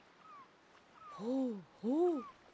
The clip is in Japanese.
ほうほう。